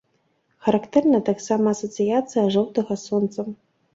Характэрна таксама асацыяцыя жоўтага з сонцам.